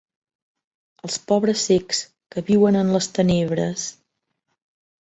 Els pobres cecs, que viuen en les tenebres.